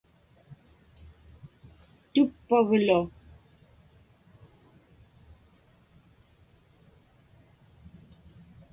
tuppaglu